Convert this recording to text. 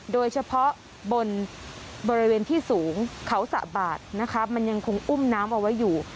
โดยเฉพาะบนบริเวณที่สูงเขาสะบาดนะคะมันยังคงอุ้มน้ำเอาไว้อยู่